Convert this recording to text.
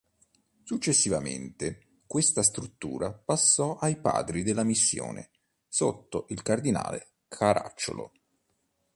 Successivamente, questa struttura passò ai Padri della Missione sotto il cardinale Caracciolo.